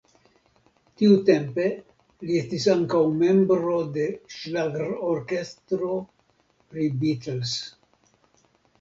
Tiutempe li estis ankaŭ membro de ŝlagrorkestro pri Beatles.